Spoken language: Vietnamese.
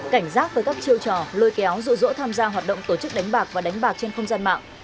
cảnh giác với các chiêu trò lôi kéo dụ dỗ tham gia hoạt động tổ chức đánh bạc và đánh bạc trên không gian mạng